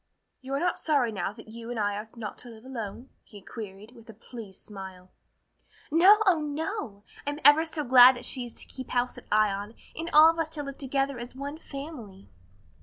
"You are not sorry now that you and I are not to live alone?" he queried, with a pleased smile. "No, oh, no! I'm ever so glad that she is to keep house at Ion and all of us to live together as one family."